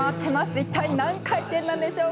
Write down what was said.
一体何回転なんでしょう？